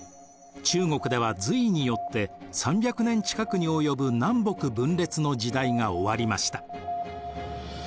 中国では隋によって３００年近くに及ぶ南北分裂の時代が終わりました。